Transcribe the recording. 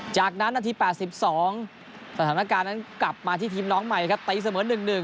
จากนั้นนาที๘๒สถานการณ์นั้นกลับมาที่ทีมน้องใหม่ครับตีเสมอ๑๑